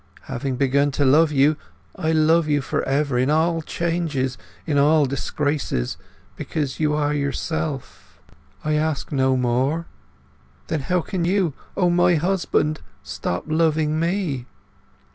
Having begun to love you, I love you for ever—in all changes, in all disgraces, because you are yourself. I ask no more. Then how can you, O my own husband, stop loving me?"